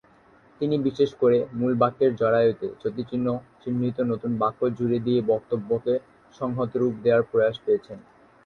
তিনি বিশেষ ক’রে মূল বাক্যের জরায়ুতে যতি-চিহ্ন-চিহ্নিত নতুন বাক্য জুড়ে দিয়ে বক্তব্যকে সংহত রূপ দেয়ার প্রয়াস পেয়েছেন।